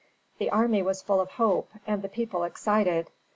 The army was full of hope, and the people excited.